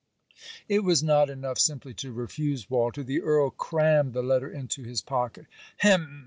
It was not enough simply to refuse, Walter. The Earl crammed the letter into his pocket. 'Hem!